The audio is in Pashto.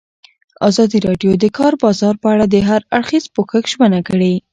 ازادي راډیو د د کار بازار په اړه د هر اړخیز پوښښ ژمنه کړې.